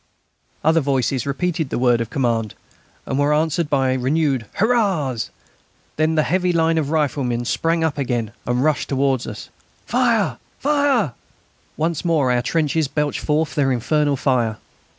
_" [Up!] Other voices repeated the word of command, and were answered by renewed "hurrahs!" Then the heavy line of riflemen sprang up and again rushed towards us: "Fire! Fire!" Once more our trenches belched forth their infernal fire.